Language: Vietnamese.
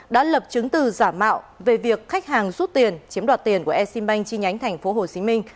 đã lập chứng từ giả mạo về việc khách hàng rút tiền chiếm đoạt tiền của exim bank trên nhánh tp hcm